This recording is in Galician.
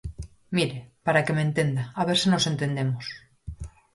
Mire, para que me entenda, a ver se nos entendemos.